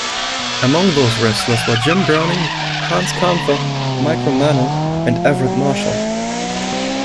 Among those wrestlers were Jim Browning, Hans Kampfer, Mike Romano and Everette Marshall.